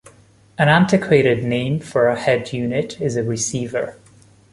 An antiquated name for a head unit is a receiver.